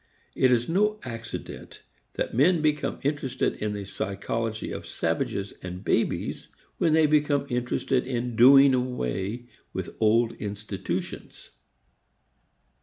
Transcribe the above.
It is no accident that men became interested in the psychology of savages and babies when they became interested in doing away with old institutions.